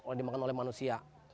orang dimakan oleh manusia